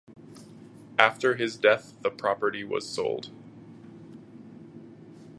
After his death the property was sold.